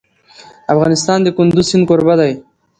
افغانستان د کندز سیند کوربه دی.